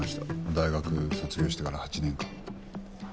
大学卒業してから８年間。